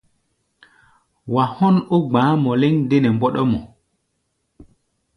Wa hɔ́n ó gba̧á̧ mɔ lɛ́ŋ dé nɛ mbɔ́ɗɔ́mɔ.